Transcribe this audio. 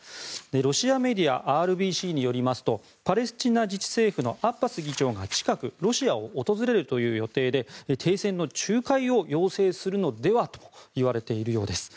ロシアメディアＲＢＣによりますとパレスチナ自治政府のアッパス議長が近くロシアを訪れる予定で停戦の仲介を要請するのではといわれているようです。